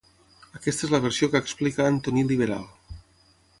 Aquesta és la versió que explica Antoní Liberal.